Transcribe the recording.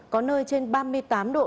có nơi trên ba mươi tám độ